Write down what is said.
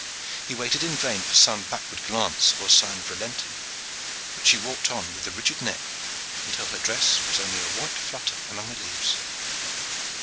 He waited in vain for some backward glance or sign of relenting, but she walked on with a rigid neck until her dress was only a white flutter among the leaves.